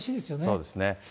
そうですね。